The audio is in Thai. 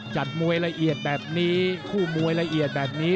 จัดมวยละเอียดแบบนี้คู่มวยละเอียดแบบนี้